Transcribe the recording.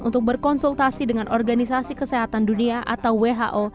untuk berkonsultasi dengan organisasi kesehatan dunia atau who